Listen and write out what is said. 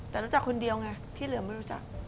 แต่รู้จักคนเดียวไงที่เหลือไม่รู้จัก